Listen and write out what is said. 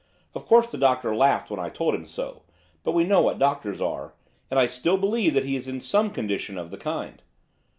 Of course the doctor laughed when I told him so, but we know what doctors are, and I still believe that he is in some condition of the kind.